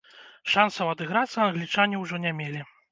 Шансаў адыграцца англічане ўжо не мелі.